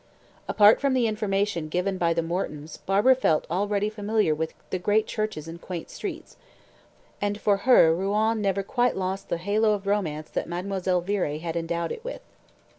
Apart from the information given by the Mortons Barbara felt already familiar with the great churches and quaint streets, and for her Rouen never quite lost the halo of romance that Mademoiselle Viré had endowed it with.